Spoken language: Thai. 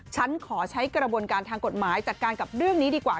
ฉันขอใช้กระบวนการทางกฎหมายจัดการกับเรื่องนี้ดีกว่า